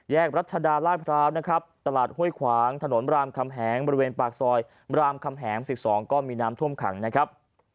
แยกรัฐดาลาภาพนะครับตลาดฮ่วยขวางถนนบรามคำแหงบริเวณปากซอยบรามคำแหงสิกสองก็มีน้ำท่วมขังนะครับ